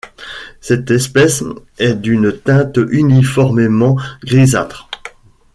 Cette espèce est d'une teinte uniformément grisâtre.